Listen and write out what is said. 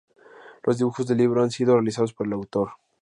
Los dibujos del libro han sido realizados por el autor.